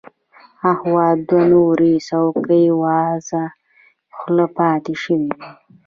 اخوا دوه نورې څوکۍ وازه خوله پاتې شوې وې.